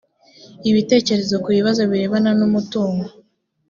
ibitekerezo ku bibazo birebana n’umutungo